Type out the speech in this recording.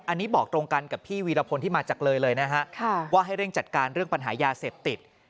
อันนี้บอกตรงกันกับพี่วีรพลที่มาจากเลยเลยนะฮะว่าให้เร่งจัดการเรื่องปัญหายาเสพติด